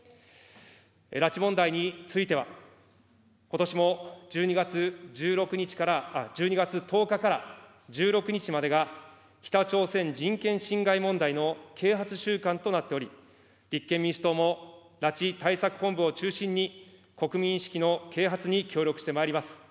拉致問題については、ことしも１２月１０日から１６日までが北朝鮮人権侵害問題の啓発週間となっており、立憲民主党も拉致対策本部を中心に、国民意識の啓発に協力してまいります。